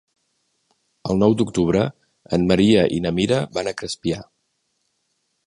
El nou d'octubre en Maria i na Mira van a Crespià.